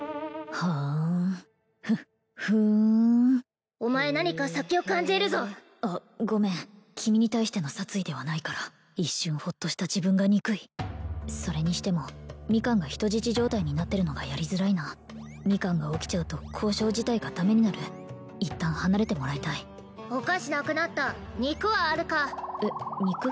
はんふふんお前何か殺気を感じるぞあっごめん君に対しての殺意ではないから一瞬ホッとした自分が憎いそれにしてもミカンが人質状態になってるのがやりづらいなミカンが起きちゃうと交渉自体がダメになる一旦離れてもらいたいお菓子なくなった肉はあるかえっ肉？